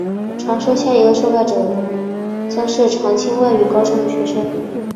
传言说下一个受害者将是常青外语高中的学生。